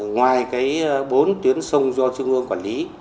ngoài bốn tuyến sông do trung ương quản lý